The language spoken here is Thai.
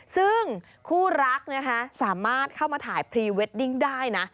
ซึ่งคู่รักนะคะสามารถเข้ามาถ่ายพรีเวดดิ้งได้นะ